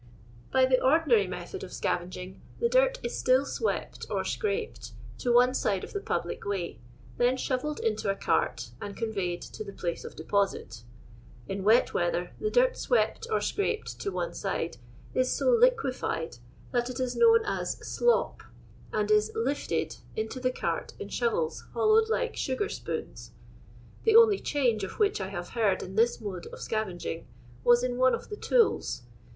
By the ordinary method of scavenging, the dirt is stiil swept or scmp<'d to one side of the public way, then shovelled into a cart and con veyed to the place of deposit In wet weather the dirt swept or scraped to one side is so liquified that it is known as "slop," and is "lifted" into the cart in shovels hollowed like sugar^spoons. The only change of which I have he:ird in this mode of scavenging was in one of the tools.